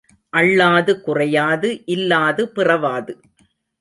அள்ளாது குறையாது இல்லாது பிறவாது.